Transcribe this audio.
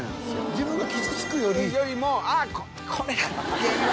自分が傷つくよりよりもああこれが原因だ